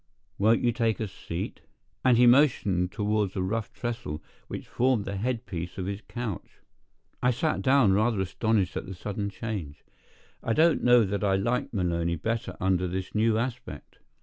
Won't you take a seat?" and he motioned toward a rough trestle, which formed the head piece of his couch. I sat down, rather astonished at the sudden change. I don't know that I liked Maloney better under this new aspect.